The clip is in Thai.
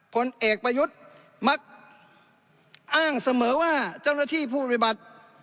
ผลเอกประยุทธ์มักอ้างเสมอว่าเจ้าหน้าที่ผู้ปฏิบัติ